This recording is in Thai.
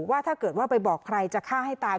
ว่าถ้าเกิดว่าไปบอกใครจะฆ่าให้ตาย